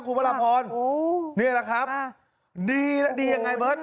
คุณพระราพรโอ้โหนี่แหละครับอ่าดีแล้วดียังไงเมิด